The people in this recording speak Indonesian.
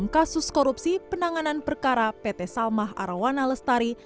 kasus korupsi penanganan perkara pt salmah arawana lestari